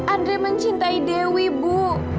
andre mencintai dewi bu